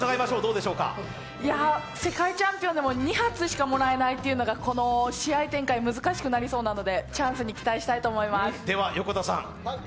世界チャンピオンでも２発しかもらえないというのが試合展開難しくなりそうなので、チャンスに期待したいと思います。